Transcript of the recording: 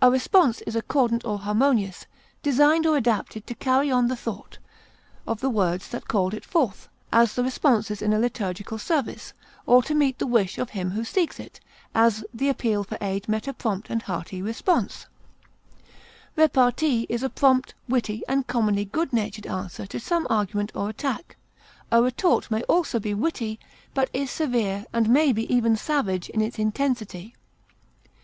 A response is accordant or harmonious, designed or adapted to carry on the thought of the words that called it forth, as the responses in a liturgical service, or to meet the wish of him who seeks it; as, the appeal for aid met a prompt and hearty response. Repartee is a prompt, witty, and commonly good natured answer to some argument or attack; a retort may also be witty, but is severe and may be even savage in its intensity.